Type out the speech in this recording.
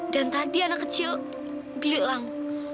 dan tadi anak kecil bilang